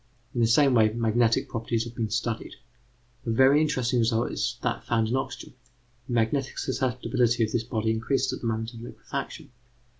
In the same way, magnetic properties have been studied. A very interesting result is that found in oxygen: the magnetic susceptibility of this body increases at the moment of liquefaction.